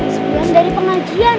sebulan dari pengajian